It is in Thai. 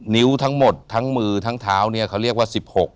นิ้วทั้งหมดทั้งมือทั้งเท้าเนี่ยเขาเรียกว่า๑๖